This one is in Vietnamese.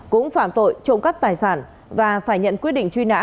cũng phạm tội trộm cắp tài sản và phải nhận quyết định truy nã